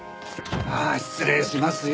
ああ失礼しますよ。